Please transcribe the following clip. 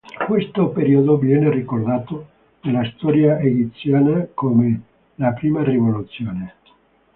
Questo periodo viene ricordato nella storia egiziana come la "Prima rivoluzione".